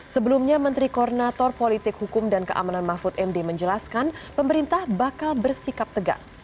sebelumnya menteri koordinator politik hukum dan keamanan mahfud md menjelaskan pemerintah bakal bersikap tegas